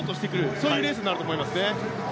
そういうレースになると思います。